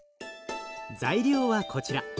材料はこちら。